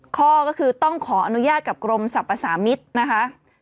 ข้อก็คือต้องขออนุญาตกับกรมสรรพสามิตรนะคะ